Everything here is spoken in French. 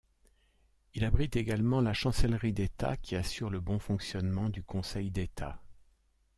Il abrite également la Chancellerie d'État qui assure le bon fonctionnement du Conseil d'État.